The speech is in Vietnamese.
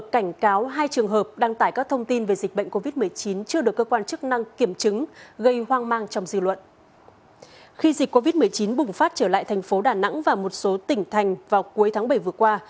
khi dịch covid một mươi chín bùng phát trở lại thành phố đà nẵng và một số tỉnh thành vào cuối tháng bảy vừa qua